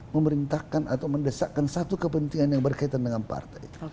memerintahkan atau mendesakkan satu kepentingan yang berkaitan dengan partai